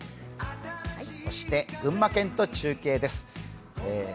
そして群馬県と中継です。